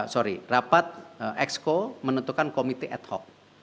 sorry rapat exco menentukan komite ad hoc